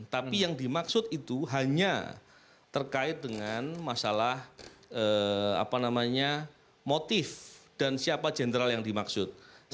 tapi yang dimaksud itu hanya terkait dengan masalah motif dan siapa jenderal yang dimaksud